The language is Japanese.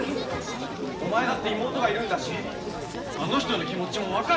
お前だって妹がいるんだしあの人の気持ちもわかるだろ？